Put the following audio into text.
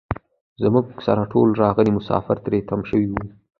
زموږ سره ټول راغلي مسافر تري تم شوي وو.